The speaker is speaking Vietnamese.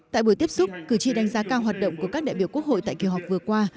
tại buổi tiếp xúc cử tri đánh giá cao hoạt động của các đại biểu quốc hội tại kỳ họp vừa qua